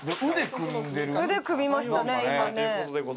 腕組みましたね今ね。